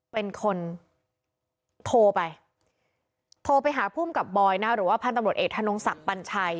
เป็นคนโทรไปโทรไปหาภูมิกับบอยนะหรือว่าพันธุ์ตำรวจเอกธนงศักดิ์ปัญชัย